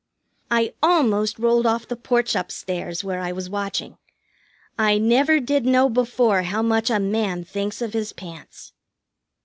I almost rolled off the porch up stairs, where I was watching. I never did know before how much a man thinks of his pants.